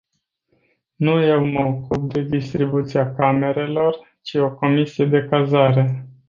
Nu eu mă ocup de distribuția camerelor, ci o comisie de cazare.